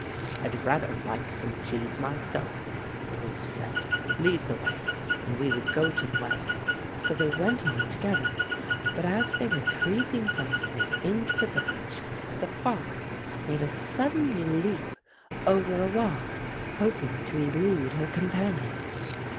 "I'd rather like some cheese myself," the wolf said. "Lead the way and we will go to the well." So they went on together, but as they 173 Fairy Tale Foxes were creeping softly into the village the fox made a sudden leap over a wall hoping to elude her companion.